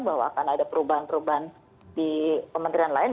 bahwa akan ada perubahan perubahan di kementerian lain